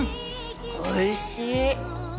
おいしい。